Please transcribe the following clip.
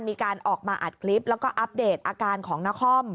มีการออกมาอัดคลิปแล้วก็อัปเดตอาการของนคร